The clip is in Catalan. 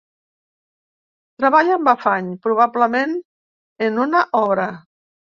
Treballa amb afany, probablement en una obra.